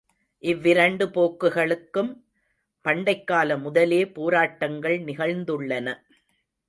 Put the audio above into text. இவ்விரண்டு போக்குகளுக்கும் பண்டைக்கால முதலே போராட்டங்கள் நிகழ்ந்துள்ளன.